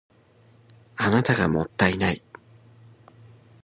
あなたがもったいない